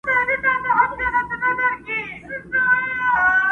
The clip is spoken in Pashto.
ښکلي سیمي لوی ښارونه یې سور اور کړ٫